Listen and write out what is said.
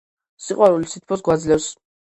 სიყვარული სითბოს გვაძლევს.